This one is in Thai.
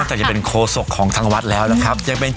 อ๋อตั้งความยืนตั้งความยืนตั้งความยืนตั้งความยืน